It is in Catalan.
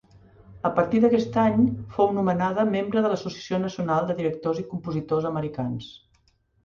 A partir d'aquest any fou nomenada membre de l'Associació Nacional de Directors i Compositors Americans.